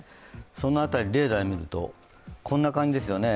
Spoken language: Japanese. その辺り、レーダーで見るとこんな感じですよね。